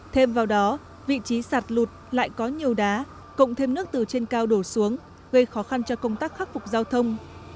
thêm vào đó vị trí sạt lụt lại có nhiều đá cộng thêm nước từ trên cao đổ xuống gây khó khăn cho công tác khắc phục giao thông